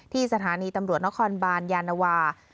สถานีตำรวจนครบานยานวา